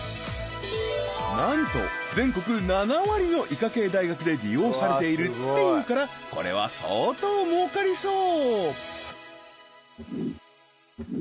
なんと全国７割の医科系大学で利用されているっていうからこれは相当儲かりそう！